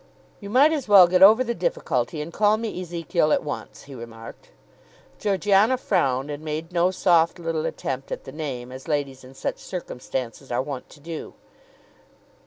"You might as well get over the difficulty and call me Ezekiel at once," he remarked. Georgiana frowned, and made no soft little attempt at the name as ladies in such circumstances are wont to do.